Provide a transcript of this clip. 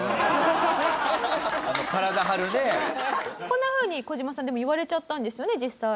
こんなふうにコジマさん言われちゃったんですよね実際。